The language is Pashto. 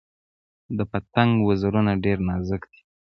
د پتنګ وزرونه ډیر نازک وي